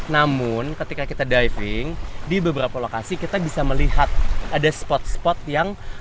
namun ketika kita diving di beberapa lokasi kita bisa melihat ada spot spot yang